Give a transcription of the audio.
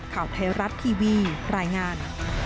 ข่าวไทยรัฐทีวีรายงาน